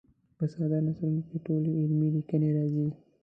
په ساده نثرونو کې ټولې علمي لیکنې راځي.